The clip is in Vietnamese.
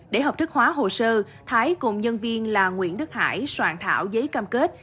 để hợp thức hóa hồ sơ thái cùng nhân viên là nguyễn đức hải soạn thảo giấy cam kết